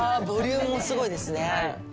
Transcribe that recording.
ボリュームもすごいですね。